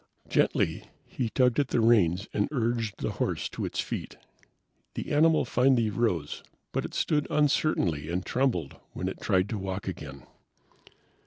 Gently, he tugged at the reins and urged the horse to its feet. The animal finally rose, but it stood uncertainly and trembled when it tried to walk again.